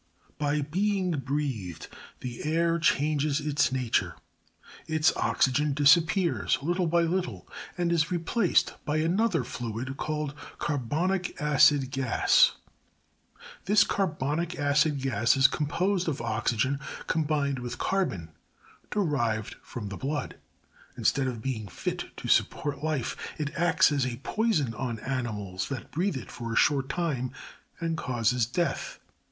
25. By being breathed the air changes its nature; its oxygen disappears little by little, and is replaced by another fluid called cat bonic acid gas. 26. This carbonic, acid gas is composed of oxygen combined with ca rbon, derived from the blood; instead of being fit to sup port life, it acts as a poison on animals that breathe it for a short time, and causes death.